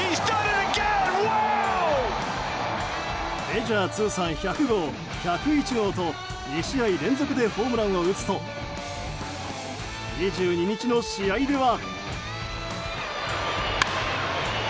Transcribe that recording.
メジャー通算１００号、１０１号と２試合連続でホームランを打つと２２日の試合では。